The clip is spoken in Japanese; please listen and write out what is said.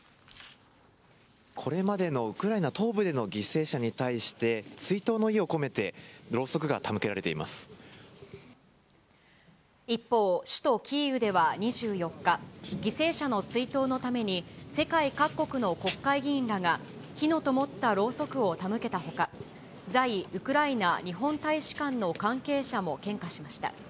これまでのウクライナ東部での犠牲者に対して追悼の意を込めて、一方、首都キーウでは２４日、犠牲者の追悼のために世界各国の国会議員らが、火のともったろうそくを手向けたほか、在ウクライナ日本大使館の関係者も献花しました。